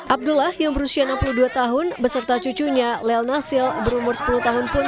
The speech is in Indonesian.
abdullah yang berusia enam puluh dua tahun beserta cucunya lel nasil berumur sepuluh tahun pun